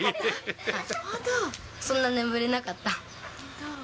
そんな眠れなかった。